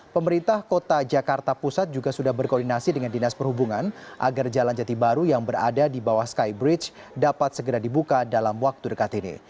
pemerintah kota jakarta pusat juga sudah berkoordinasi dengan dinas perhubungan agar jalan jati baru yang berada di bawah skybridge dapat segera dibuka dalam waktu dekat ini